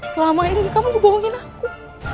selama ini kamu ngebohongin aku